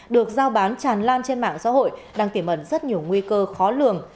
được giao bán tràn lan trên mạng xã hội đang tiềm ẩn rất nhiều nguy cơ khó lường